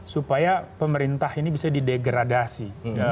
supaya pemerintah ini bisa didegradasi